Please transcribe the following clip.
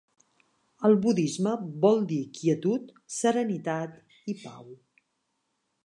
Al budisme vol dir quietud, serenitat i pau.